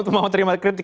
tidak mau terima kritik